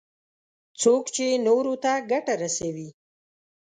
څوک چې نورو ته ګټه رسوي.